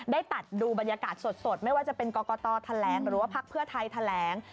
ได้ตัดดูบรรยากาศสดไม่ว่าจะเป็นกรกตแถลงหรือว่าพักเพื่อไทยแถลง